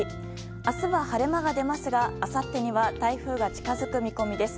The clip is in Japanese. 明日は、晴れ間が出ますがあさってには台風が近づく見込みです。